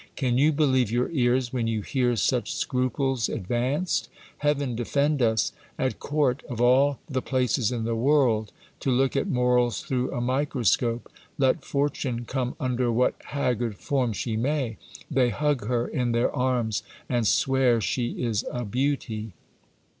Can you believe your ears when you hear such scruples advanced ? Heaven defend us ! At court, of all the places in the world, to look at morals through a microscope ! Let fortune come under what haggard form she may, they hug her in their arms, and swear she is a beauty.